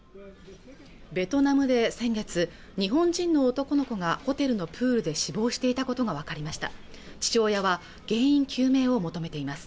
ベトナムで先月日本人の男の子がホテルのプールで死亡していたことが分かりました父親は原因究明を求めています